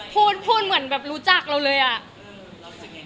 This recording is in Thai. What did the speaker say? พูดพูดเหมือนแบบรู้จักเราเลยอะ